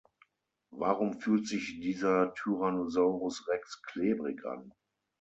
Warum fühlt sich dieser Tyrannosaurus Rex klebrig an?